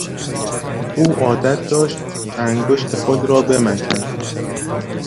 او عادت داشت که انگشت خود را بمکد.